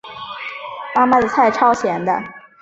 妈妈的菜超咸的